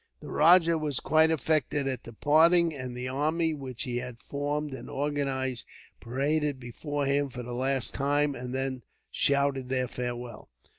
The rajah was quite affected at the parting; and the army, which he had formed and organized, paraded before him for the last time, and then shouted their farewell.